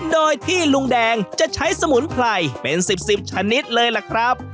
โดยที่ลุงแดงจะใช้สมุนไพรเป็น๑๐๑๐ชนิดเลยล่ะครับ